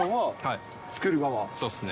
そうですね。